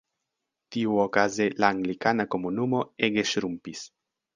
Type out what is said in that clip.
Tiuokaze la anglikana komunumo ege ŝrumpis.